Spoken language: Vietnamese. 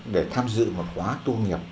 để tham dự một hóa tu nghiệp